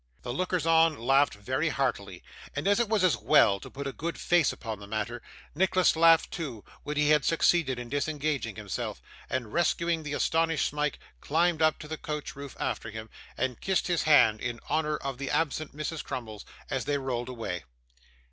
The lookers on laughed very heartily, and as it was as well to put a good face upon the matter, Nicholas laughed too when he had succeeded in disengaging himself; and rescuing the astonished Smike, climbed up to the coach roof after him, and kissed his hand in honour of the absent Mrs. Crummles as they rolled away.